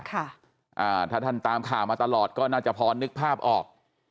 ถ้าท่านตามข่าวมาตลอดก็น่าจะพอนึกภาพออก